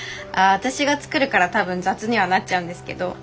あ私が作るから多分雑にはなっちゃうんですけど。